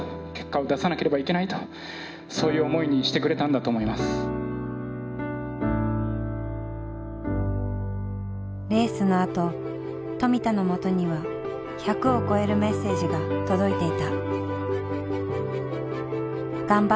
やはりレースのあと富田のもとには１００を超えるメッセージが届いていた。